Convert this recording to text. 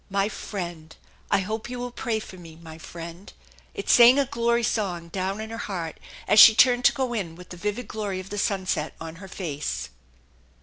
"My friend! I hope you will pray for me, my friend!" It sang a glory song down in her heart as she turned to go in with the vivid glory of the sunset on her face.